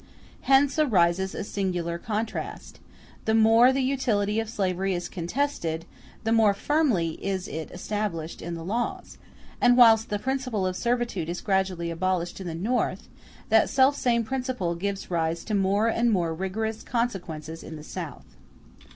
Hence arises a singular contrast; the more the utility of slavery is contested, the more firmly is it established in the laws; and whilst the principle of servitude is gradually abolished in the North, that self same principle gives rise to more and more rigorous consequences in the South.